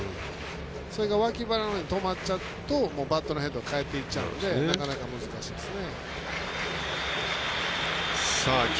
それが脇腹で止まっちゃうとバットのヘッドが返っちゃうのでなかなか難しいですね。